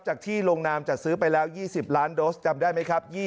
ที่ลงนามจัดซื้อไปแล้ว๒๐ล้านโดสจำได้ไหมครับ